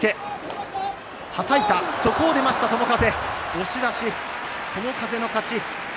押し出し友風の勝ち。